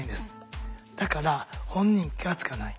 だから本人気が付かない。